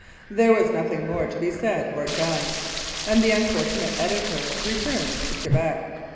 There was nothing more to be said or done, and the unfortunate editor returned to Quebec.